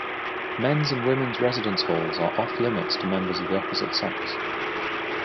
Men's and women's residence halls are off-limits to members of the opposite sex.